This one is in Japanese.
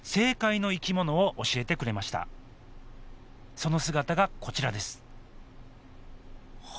その姿がこちらですは